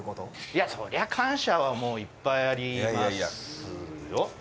いや、そりゃ感謝はいっぱいありますよ。